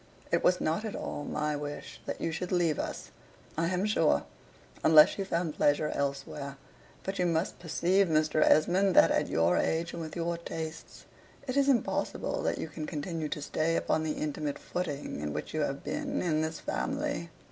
It was not at all my wish that you should leave us, I am sure, unless you found pleasure elsewhere. But you must perceive, Mr. Esmond, that at your age, and with your tastes, it is impossible that you can continue to stay upon the intimate footing in which you have been in this family.